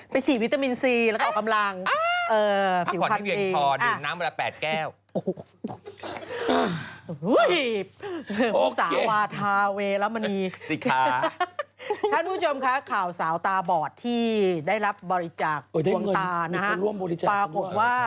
ปล่อยได้เงินมีคนร่วมบริจาคคุณล่ะปรากฏว่า